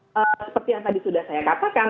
seperti yang tadi sudah saya katakan